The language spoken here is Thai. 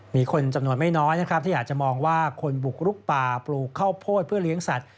มีคนจำนวนไม่น้อยนะครับที่อาจจะมองว่าคนบุกลุกป่าปลูกข้าวโพดเพื่อเลี้ยงสัตว